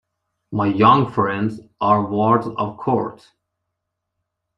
My young friends are wards of court.